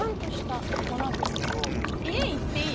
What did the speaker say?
家行っていい？